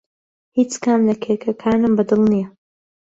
هیچ کام لە کێکەکانم بەدڵ نییە.